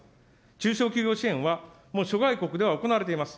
中小企業支援は、もう諸外国では行われています。